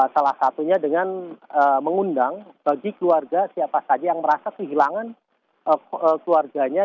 salah satunya dengan mengundang bagi keluarga siapa saja yang merasa kehilangan keluarganya